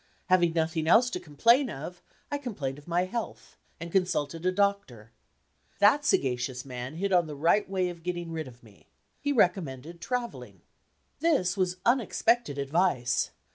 Having nothing else to complain of, I complained of my health, and consulted a doctor. That sagacious man hit on the right way of getting rid of me he recommended traveling. This was unexpected advice.